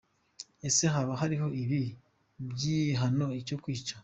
Ese haba hariho ibibi by’igihano cyo kwicwa?.